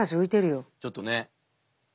ちょっとね。